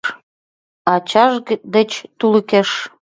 Ачаж деч тулыкеш